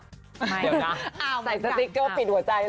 ใส่สติ๊กเกอร์ปิดหัวใจหรอ